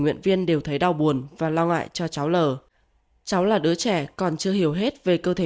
nguyện viên đều thấy đau buồn và lo ngại cho cháu l cháu là đứa trẻ còn chưa hiểu hết về cơ thể